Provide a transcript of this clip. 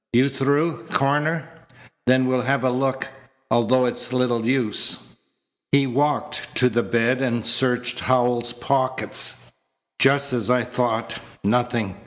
You through, Coroner? Then we'll have a look, although it's little use." He walked to the bed and searched Howells's pockets. "Just as I thought. Nothing.